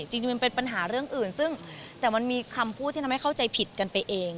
จริงมันเป็นปัญหาเรื่องอื่นซึ่งแต่มันมีคำพูดที่ทำให้เข้าใจผิดกันไปเอง